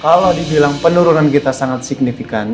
kalau dibilang penurunan kita sangat signifikan